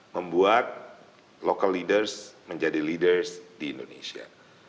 membuat local leaders menjadi leaders di indonesia